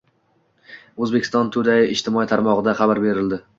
Uzbekistan Today ijtimoiy tarmog'ida xabar berildi